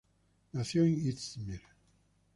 Nació en İzmir.